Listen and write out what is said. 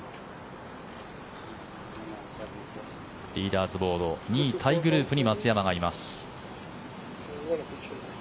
リーダーズボード２位タイグループに松山がいます。